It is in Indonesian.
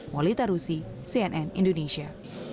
wali tarusi cnn indonesia